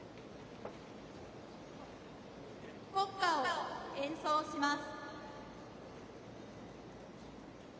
国歌を演奏します。